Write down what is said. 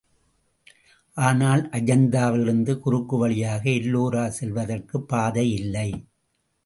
ஆனால், அஜந்தாவிலிருந்து குறுக்கு வழியாக எல்லோரா செல்வதற்குப் பாதை இல்லை.